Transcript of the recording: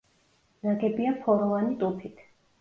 ნაგებია ფოროვანი ტუფით.